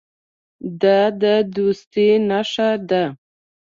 دا د دوستۍ نښه ده.